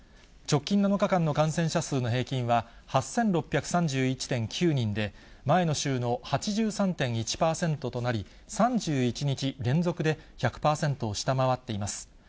直近７日間の感染者数の平均は８６３１．９人で、前の週の８３．１％となり、３１日連続で１００％を下回っています。